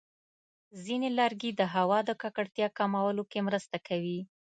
ځینې لرګي د هوا د ککړتیا کمولو کې مرسته کوي.